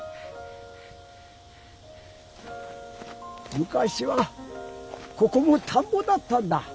むかしはここもたんぼだったんだ。